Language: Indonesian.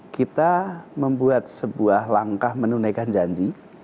kita membuat sebuah langkah menunaikan janji